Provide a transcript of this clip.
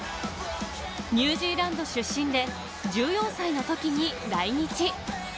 ニュージーランド出身で１４歳の時に来日。